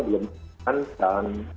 belum lakukan dan